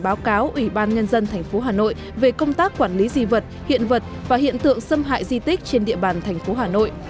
báo cáo ủy ban nhân dân tp hà nội về công tác quản lý di vật hiện vật và hiện tượng xâm hại di tích trên địa bàn thành phố hà nội